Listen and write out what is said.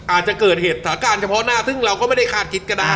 อาจจะเกิดเหตุสถานการณ์เฉพาะหน้าซึ่งเราก็ไม่ได้คาดคิดก็ได้